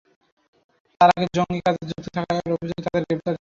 তার আগে জঙ্গি কাজে যুক্ত থাকার অভিযোগে তাঁদের গ্রেপ্তার করা হয়।